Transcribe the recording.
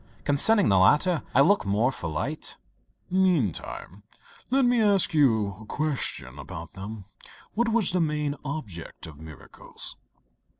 Concerning the latter I look for more light." "Meantime let me ask you a question about them. What was the main object of miracles?"